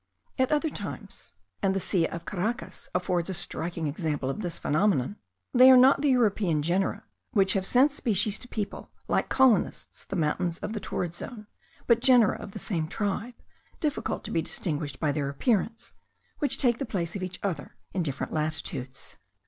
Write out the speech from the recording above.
At other times (and the Silla of Caracas affords a striking example of this phenomenon), they are not the European genera, which have sent species to people like colonists the mountains of the torrid zone, but genera of the same tribe, difficult to be distinguished by their appearance, which take the place of each other in different latitudes.